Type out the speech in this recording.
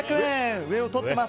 上をとっています。